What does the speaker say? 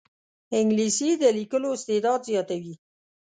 انګلیسي د لیکلو استعداد زیاتوي